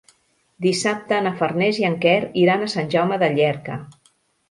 Dissabte na Farners i en Quer iran a Sant Jaume de Llierca.